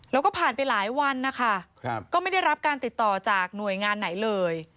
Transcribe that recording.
แล้วก็ผ่านไปหลายวันนะคะก็ไม่ได้รับการติดต่อจากหน่วยงานไหนเลย